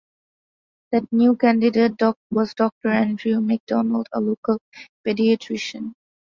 That new candidate was Doctor Andrew McDonald, a local paediatrician.